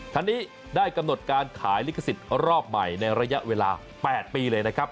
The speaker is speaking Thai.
ทางนี้ได้กำหนดการขายลิขสิทธิ์รอบใหม่ในระยะเวลา๘ปีเลยนะครับ